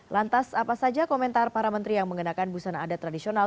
lantas apa saja komentar para menteri yang mengenakan busana adat tradisional